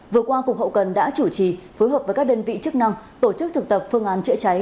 vừa qua cục hậu cần đã chủ trì phối hợp với các đơn vị chức năng tổ chức thực tập phương án chữa cháy